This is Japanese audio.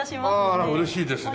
あら嬉しいですね。